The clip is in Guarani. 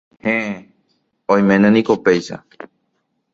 Héẽ, oiméne niko péicha